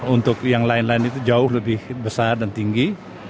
untuk yang lain lain itu jauh lebih besar dan tinggi